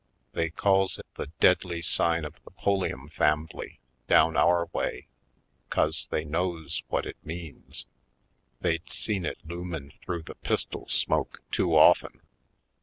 They calls it the deadly sign of the Pulliam fambly down our way 'cause they knows whut it means — they's seen it loomin' th'ough the pistol smoke too of'en.